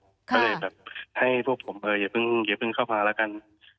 ก็เลยแบบให้พวกผมอย่าเพิ่งเข้ามาแล้วกัน